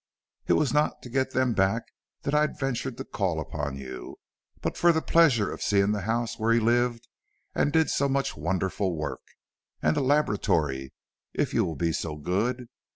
"It was not to get them back that I ventured to call upon you, but for the pleasure of seeing the house where he lived and did so much wonderful work, and the laboratory, if you will be so good.